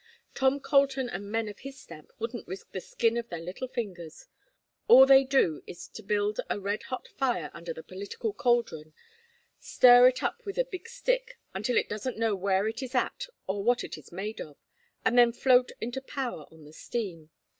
Tom Colton and men of his stamp wouldn't risk the skin of their little fingers. All they do is to build a red hot fire under the political caldron, stir it up with a big stick until it doesn't know where it is at or what it is made of, and then float into power on the steam.